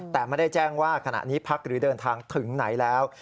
แต่ไม่ได้แจ้งว่าขณะนี้พักหรือเดินทางถึงไหนแล้ว